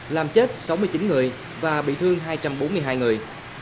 làm chết sáu mươi chín người và bị thương hai trăm bốn mươi hai người